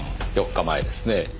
４日前ですね。